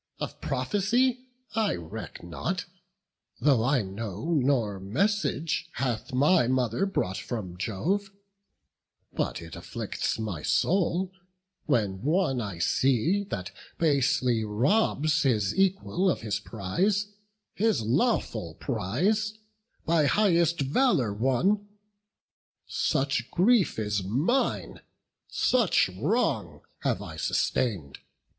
Of prophecy I reck not, though I know; Nor message hath my mother brought from Jove; But it afflicts my soul; when one I see That basely robs his equal of his prize, His lawful prize, by highest valour won; Such grief is mine, such wrong have I sustain'd.